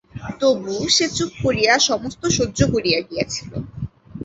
তবু সে চুপ করিয়া সমস্ত সহ্য করিয়া গিয়াছিল।